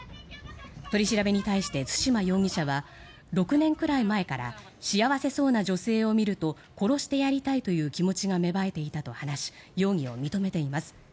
取り調べに対して対馬容疑者は６年くらい前から幸せそうな女性を見ると殺してやりたいという気持ちが芽生えていたと話し容疑を認めています。